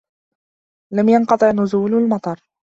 لَمْ يَنْقَطَعْ نُزُولُ الْمَطَرِ.